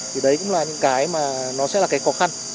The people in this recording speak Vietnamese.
thì đấy cũng là những cái mà nó sẽ là cái khó khăn